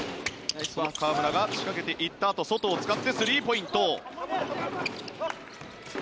その河村が仕掛けていったあと外を使ってスリーポイント。